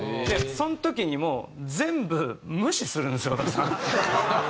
その時にもう全部無視するんですよ小田さん。